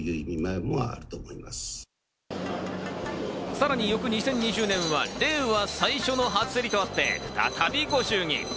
さらに翌２０２０年は令和最初の初競りとあって、再びご祝儀。